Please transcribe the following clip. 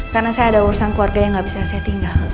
karena saya ada urusan keluarga yang gak bisa saya tinggal